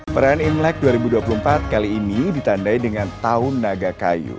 perayaan imlek dua ribu dua puluh empat kali ini ditandai dengan tahun naga kayu